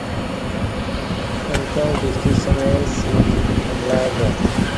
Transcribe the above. امکیا ں کشتی سمعے سی حملہ کہ